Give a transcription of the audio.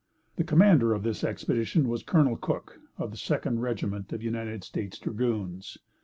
The commander of this expedition was Col. Cook of the 2d Regiment of United States dragoons.